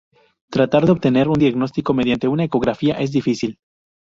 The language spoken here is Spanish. Tratar de obtener un diagnóstico mediante una ecografía es difícil.